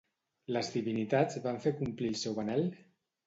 Les divinitats van fer complir el seu anhel?